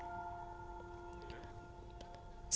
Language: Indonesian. semua ini disebabkan karena paekan terjatuh panjang dari pohon rambutan